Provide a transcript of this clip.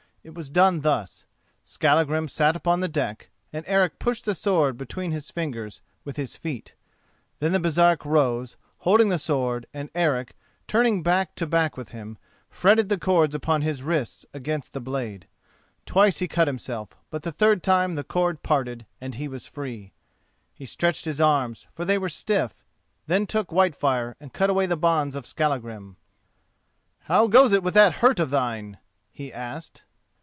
It was done thus: Skallagrim sat upon the deck, and Eric pushed the sword between his fingers with his feet. Then the Baresark rose, holding the sword, and Eric, turning back to back with him, fretted the cords upon his wrists against the blade. Twice he cut himself, but the third time the cord parted and he was free. He stretched his arms, for they were stiff; then took Whitefire and cut away the bonds of Skallagrim. "How goes it with that hurt of thine?" he asked.